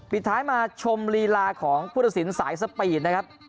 ปิดท้ายมาชมลีลาของผู้ตัดสินสายสปีดนะครับ